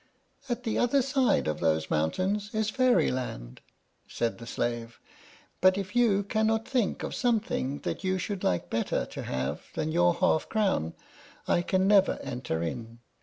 "At the other side of those mountains is Fairyland," said the slave; "but if you cannot think of something that you should like better to have than your half crown, I can never enter in.